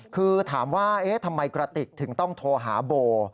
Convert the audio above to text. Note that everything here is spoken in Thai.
คือถามว่าเอ๊ะทำไมกระติกถึงต้องโทรหาโบ